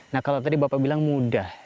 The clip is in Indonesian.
nah kalau tadi bapak bilang mudah